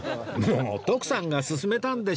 もう徳さんが勧めたんでしょ！